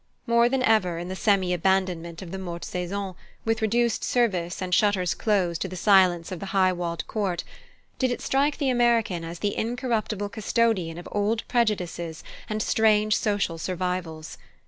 More than ever, in the semi abandonment of the morte saison, with reduced service, and shutters closed to the silence of the high walled court, did it strike the American as the incorruptible custodian of old prejudices and strange social survivals.